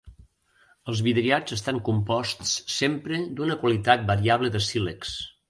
Els vidriats estan composts sempre d'una quantitat variable de sílex.